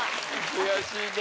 悔しいね。